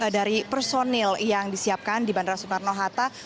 dari personil yang disiapkan di bandara soekarno hatta